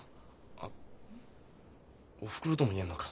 あっおふくろとも言えるのか。